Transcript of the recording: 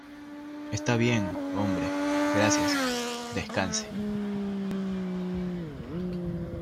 Está bien, hombre, gracias. Descanse.